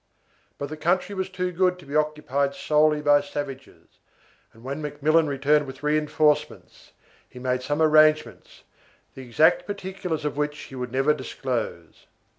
But the country was too good to be occupied solely by savages, and when McMillan returned with reinforcements he made some arrangements, the exact particulars of which he would never disclose.